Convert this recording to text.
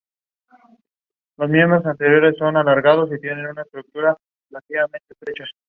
Comenzó a jugar en Pucará a los cuatro años.